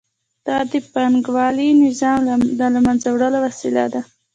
دا د پانګوالي نظام د له منځه وړلو وسیله ده